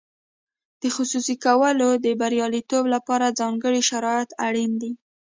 د خصوصي کولو د بریالیتوب لپاره ځانګړي شرایط اړین دي.